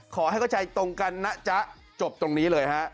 ขอให้เข้าใจตรงกันนะจ๊ะจบตรงนี้เลยฮะ